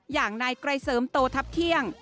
อย่างนายไกรเสริมโตทัพเที่ยง